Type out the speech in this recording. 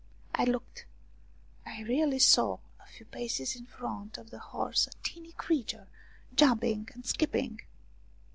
I looked. I really saw, a few paces in front of the horse, a tiny creature jumping and skipping.